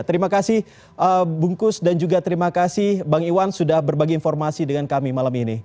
terima kasih bungkus dan juga terima kasih bang iwan sudah berbagi informasi dengan kami malam ini